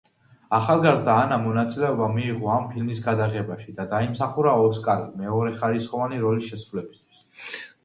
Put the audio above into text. ახალგაზრდა ანამ მონაწილეობა მიიღო ამ ფილმის გადაღებაში და დაიმსახურა ოსკარი მეორეხარისხოვანი როლის შესრულებისთვის.